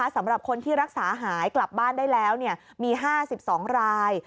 สำหรับคนที่รักษาหายกลับบ้านได้แล้วมี๕๒ราย